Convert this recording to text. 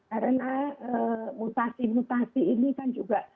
karena mutasi mutasi ini kan juga